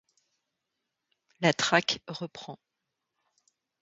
La traque reprend.